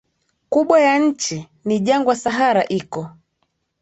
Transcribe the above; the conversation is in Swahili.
kubwa ya nchi ni jangwa Sahara iko